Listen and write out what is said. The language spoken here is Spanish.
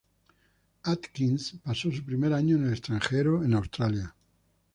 Atkins pasó su primer año en el extranjero en Australia.